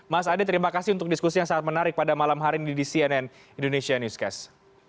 mas ade terima kasih untuk diskusi yang sangat menarik pada malam hari ini di cnn indonesia newscast